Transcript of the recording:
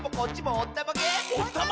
おったまげ！